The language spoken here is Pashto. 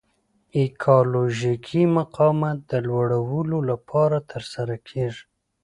ایکالوژیکي مقاومت د لوړلولو لپاره ترسره کیږي.